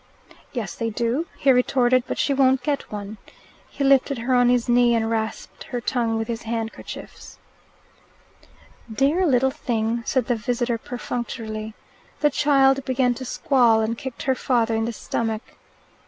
"Yes, they do," he retorted. "But she won't get one." He lifted her on his knee, and rasped her tongue with his handkerchief. "Dear little thing," said the visitor perfunctorily. The child began to squall, and kicked her father in the stomach.